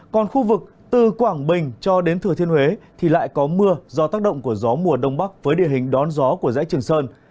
còn khu vực từ quảng bình cho đến thừa thiên huế thì lại có mưa do tác động của gió mùa đông bắc với địa hình đón gió của dãy trường sơn